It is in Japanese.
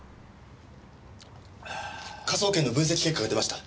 科捜研の分析結果が出ました。